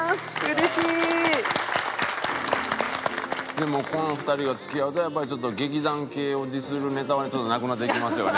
でもこの２人が付き合うとやっぱりちょっと劇団系をディスるネタはねなくなっていきますよね？